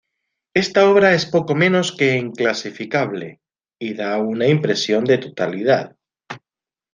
Esta obra es poco menos que inclasificable, y da una impresión de totalidad.